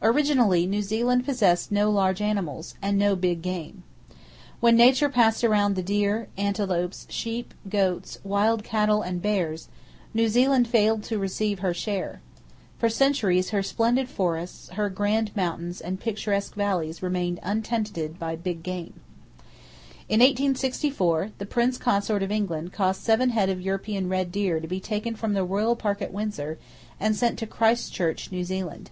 Originally, New Zealand possessed no large animals, and no "big game." When Nature passed around the deer, antelopes, sheep, goats, wild cattle and bears, New Zealand failed to receive her share. For centuries her splendid forests, her grand mountains and picturesque valleys remained untenanted by big game. In 1864, the Prince Consort of England caused seven head of European red deer to be taken from the royal park at Windsor, and sent to Christchurch, New Zealand.